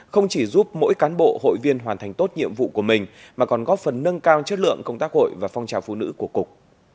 không chỉ giúp mỗi cán bộ hội viên hoàn thành tốt nhiệm vụ của mình mà còn góp phần nâng cao chất lượng công tác hội và phong trào phụ nữ của cục